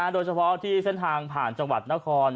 โดยเฉพาะที่เส้นทางผ่านจังหวัดนคร